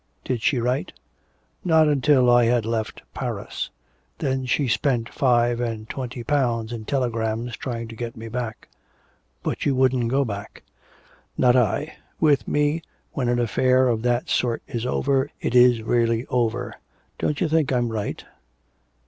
'Did she write?' 'Not until I had left Paris. Then she spent five and twenty pounds in telegrams trying to get me back.' 'But you wouldn't go back.' 'Not I; with me, when an affair of that sort is over, it is really over. Don't you think I'm right?'